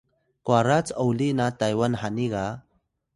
kwara c’oli na Taywan hani ga